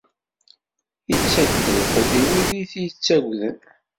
Ittak-d lqut i wid i t-ittaggden.